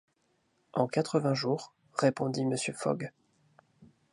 En quatre-vingts jours, répondit Mr. Fogg.